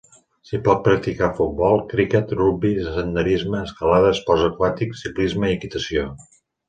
S'hi pot practicar futbol, criquet, rugbi, senderisme, escalada, esports aquàtics, ciclisme i equitació.